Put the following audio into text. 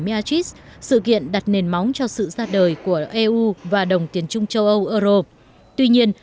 martis sự kiện đặt nền móng cho sự ra đời của eu và đồng tiền chung châu âu euro tuy nhiên